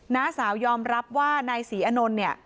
น้าสายอมรับว่านายศรีอานนท์